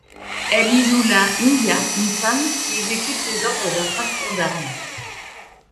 Elle y joue La India, une femme qui exécute les ordres d'un trafiquant d'armes.